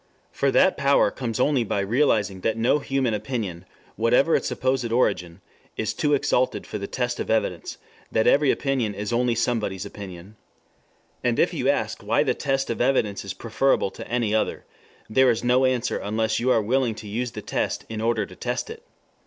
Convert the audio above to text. For that power comes only by realizing that no human opinion, whatever its supposed origin, is too exalted for the test of evidence, that every opinion is only somebody's opinion. And if you ask why the test of evidence is preferable to any other, there is no answer unless you are willing to use the test in order to test it.